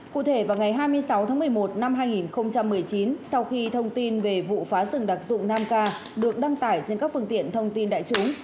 cụ thể vào ngày hai mươi sáu tháng một mươi một năm hai nghìn một mươi chín sau khi thông tin về vụ phá rừng đặc dụng nam ca được đăng tải trên các phương tiện thông tin đại chúng